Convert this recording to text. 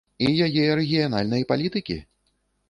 І яе рэгіянальнай палітыкі?